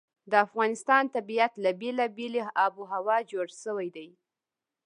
د افغانستان طبیعت له بېلابېلې آب وهوا جوړ شوی دی.